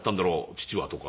父はとか。